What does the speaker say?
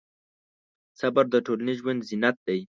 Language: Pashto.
صبر د ټولنیز ژوند زینت دی.